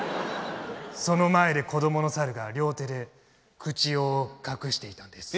その前で子供の猿が両手で口を隠していたんです。